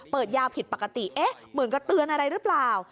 ยาวผิดปกติเอ๊ะเหมือนกับเตือนอะไรหรือเปล่า